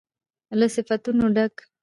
له صفتونو ډک